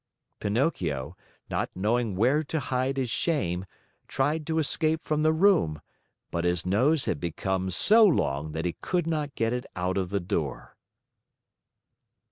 Pinocchio, not knowing where to hide his shame, tried to escape from the room, but his nose had become so long that he could not get it out of the door.